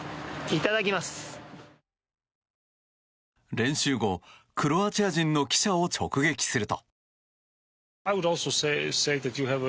練習後、クロアチア人の記者を直撃すると。